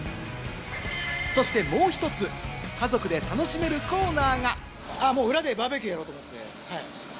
そしてもう一つ、家族で楽しめるコーナーが。